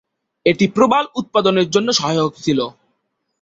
এটি প্রবাল উৎপাদনের জন্য সহায়ক ছিল।